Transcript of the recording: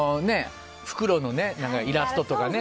袋のイラストとかね。